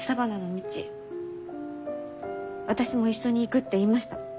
私も一緒に行くって言いました。